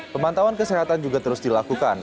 pemantauan kesehatan juga terus dilakukan